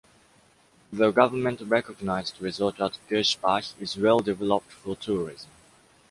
The government-recognized resort at Gersbach is well developed for tourism.